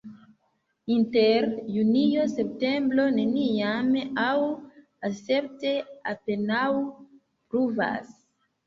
Inter junio-septembro neniam aŭ escepte apenaŭ pluvas.